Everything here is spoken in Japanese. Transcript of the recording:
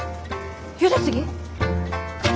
ゆで過ぎ？